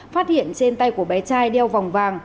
phát hiện trên tay của bé trai đeo vòng vàng